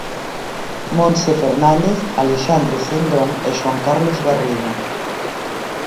Montse Fernández, Alexandre Cendón e Xoán Carlos Garrido.